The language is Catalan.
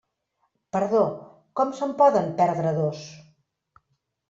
Perdó, com se'n poden perdre dos?